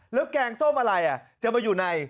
แล้วแกงส้มอะไรจะมาอยู่ใน